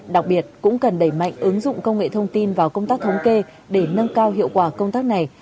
đặc biệt cũng cần đẩy mạnh ứng dụng công nghệ thông tin vào công tác thống kê để nâng cao hiệu quả công tác này